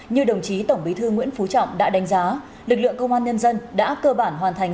như đồng chí tổng bí thư nguyễn phú trọng đã đánh giá lực lượng công an nhân dân đã cơ bản hoàn thành